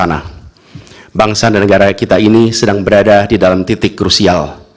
karena bangsa dan negara kita ini sedang berada di dalam titik krusial